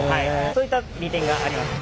そういった利点があります。